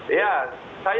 om budsman ya